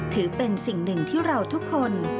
ถือเป็นสิ่งหนึ่งที่เราทุกคน